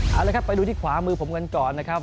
เอาละครับไปดูที่ขวามือผมกันก่อนนะครับ